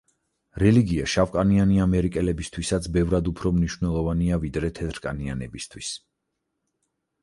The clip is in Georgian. რელიგია შავკანიანი ამერიკელებისთვისაც ბევრად უფრო მნიშვნელოვანია, ვიდრე თეთრკანიანისთვის.